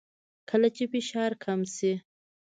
کله چې فشار کم شي